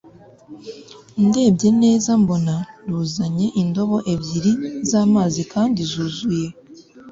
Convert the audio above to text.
ndebye neza mbona ruzanye indobo ebyiri zamazi kandi zuzuye